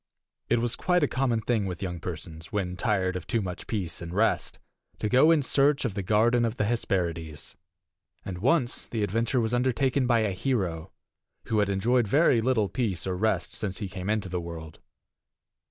It was quite a common thing with young persons, when tired of too much peace and rest, to go in search of the garden of the Hesperides. And once the adventure was undertaken by a hero, who had enjoyed very little peace or rest since he came into the world.